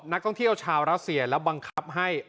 นักท่องเที่ยวชาวรัสเซียแล้วบังคับให้